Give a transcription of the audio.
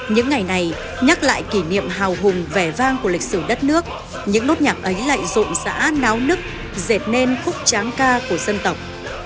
những ngày này nhắc lại kỷ niệm hào hùng vẻ vang của lịch sử đất nước những nốt nhạc ấy lại rộn rã náo nức dệt nên khúc tráng ca của dân tộc